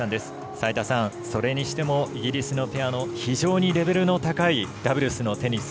齋田さん、それにしてもイギリスのペアの非常にレベルの高いダブルスのテニス。